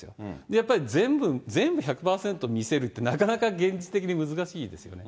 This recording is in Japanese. やっぱり全部１００％見せるってなかなか現実的に難しいですよね。